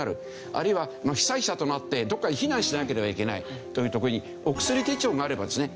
あるいは被災者となってどこかへ避難しなければいけないという時にお薬手帳があればですね